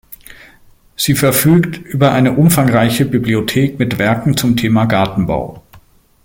Sie verfügt über eine umfangreiche Bibliothek mit Werken zum Thema Gartenbau.